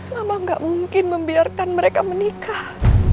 mama gak mungkin membiarkan mereka menikah